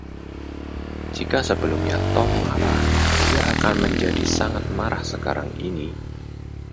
Jika sebelumnya Tom marah, dia akan menjadi sangat marah sekarang ini.